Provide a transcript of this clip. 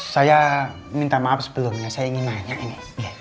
saya minta maaf sebelumnya saya ingin nanya ini